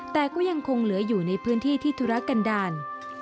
แต่ก็ยังคงเหลืออยู่ในพื้นที่ที่ธุระกันดาล